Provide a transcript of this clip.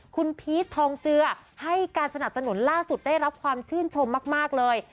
คุณพีชทองเจือให้การสนับสนุนล่าสุดได้รับความชื่นชมมากเลย